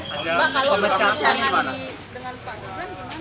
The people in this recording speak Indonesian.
mbak kalau berbicara dengan pak gibran gimana pak